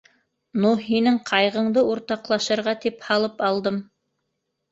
Ну һинең ҡайғыңды уртаҡташырға тип һалып алдым.